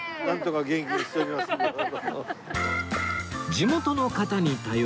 地元の方に頼り